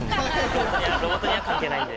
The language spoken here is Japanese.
ロボットには関係ないんで。